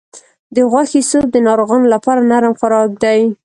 د غوښې سوپ د ناروغانو لپاره نرم خوراک دی.